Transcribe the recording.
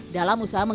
dalam usaha mengembang